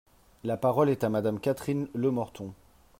La parole est à Madame Catherine Lemorton.